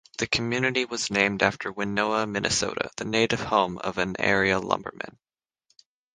The community was named after Winona, Minnesota, the native home of an area lumberman.